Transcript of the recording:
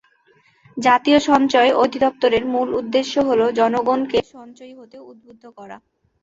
জাতীয় সঞ্চয় অধিদপ্তরের মূল উদ্দেশ্য হলো জনগণকে সঞ্চয়ী হতে উদ্বুদ্ধ করা।